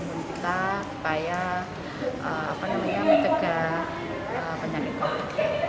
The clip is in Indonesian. untuk imun kita supaya menjaga penyakit